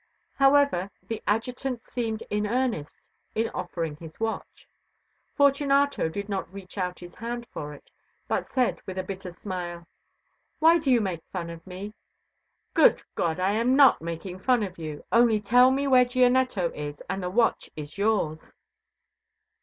However, the Adjutant seemed in earnest in offering his watch. Fortunato did not reach out his hand for it, but said with a bitter smile: "Why do you make fun of me?" "Good God! I am not making fun of you. Only tell me where Gianetto is and the watch is yours."